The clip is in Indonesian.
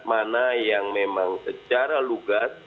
mana yang memang secara lugas